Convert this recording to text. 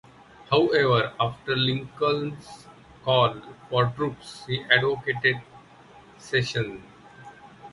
However, after Lincoln's call for troops, he advocated secession.